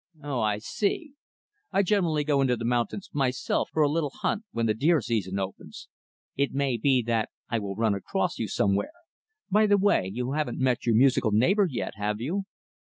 "Oh, I see. I generally go into the mountains, myself for a little hunt when the deer season opens. It may be that I will run across you somewhere. By the way you haven't met your musical neighbor yet, have you?"